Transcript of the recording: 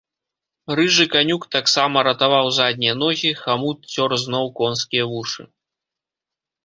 Рыжы канюк таксама ратаваў заднія ногі, хамут цёр зноў конскія вушы.